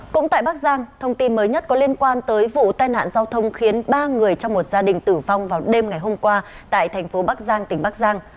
cũng tại bắc giang thông tin mới nhất có liên quan tới vụ tai nạn giao thông khiến ba người trong một gia đình tử vong vào đêm ngày hôm qua tại thành phố bắc giang tỉnh bắc giang